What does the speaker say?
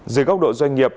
dưới góc độ doanh nghiệp